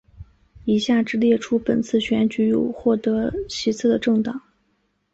以下只列出本次选举有获得席次的政党